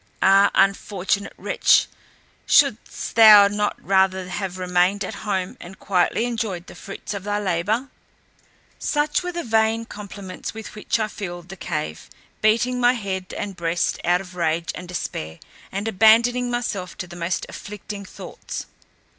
Ah, unfortunate wretch! shouldst thou not rather have remained at home, and quietly enjoyed the fruits of thy labour?" Such were the vain complaints with which I filled the cave, beating my head and breast out of rage and despair, and abandoning myself to the most afflicting thoughts.